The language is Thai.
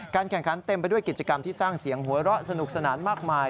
แข่งขันเต็มไปด้วยกิจกรรมที่สร้างเสียงหัวเราะสนุกสนานมากมาย